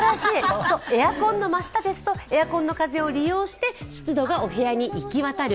エアコンの増したですと、エアコンの風を利用して湿度がお部屋に行き渡る。